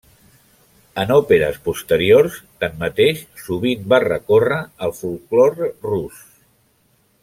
En òperes posteriors, tanmateix, sovint va recórrer al folklore rus.